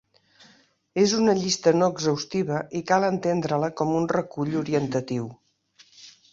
És una llista no exhaustiva i cal entendre-la com un recull orientatiu.